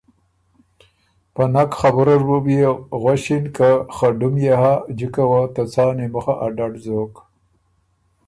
په نک خبُره ر بُو بيې غؤݭِن که ”خه ډُم يې هۀ جکه وه ته څان ای مُخه ا ډډ ځوک“